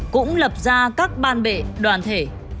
cũng lập ra các ban bệ đoàn thể